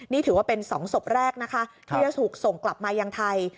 นี่ถือว่าเป็น๒ศพแรกนะคะที่จะถูกส่งกลับมายังไทย